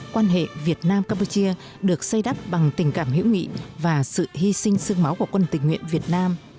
quan hệ việt nam campuchia được xây đắp bằng tình cảm hữu nghị và sự hy sinh sương máu của quân tình nguyện việt nam